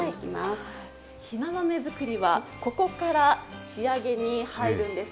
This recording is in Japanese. ひな豆作りはここから仕上げに入るんです。